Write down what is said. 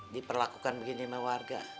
diperlakukan begini sama warga